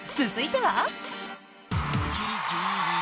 続いては］